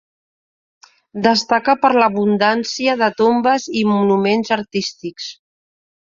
Destaca per l'abundància de tombes i monuments artístics.